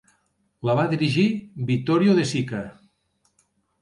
La va dirigir Vittorio De Sica.